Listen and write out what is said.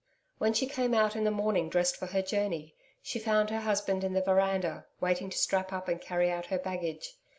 When she came out in the morning dressed for her journey, she found her husband in the veranda waiting to strap up and carry out her baggage.